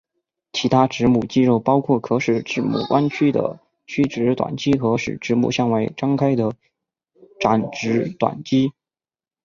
其他拇指肌肉包括可使拇指弯曲的屈拇短肌和使拇指向外张开的展拇短肌。